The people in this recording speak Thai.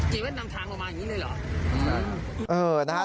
เจเวสนำทางออกมาอย่างงี้เลยหรออืมใช่ครับเออนะฮะ